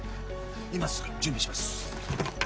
今すぐ準備します。